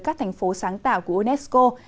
các thành phố sáng tạo của unesco